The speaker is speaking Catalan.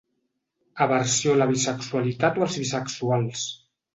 Aversió a la bisexualitat o als bisexuals.